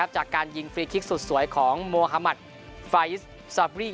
จากการยิงฟรีคลิกสุดสวยของโมฮามัติไฟสซาบรี่